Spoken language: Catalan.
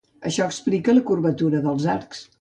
Això explica la curvatura dels arcs.